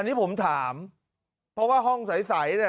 อันนี้ผมถามเพราะว่าห้องใสเนี่ย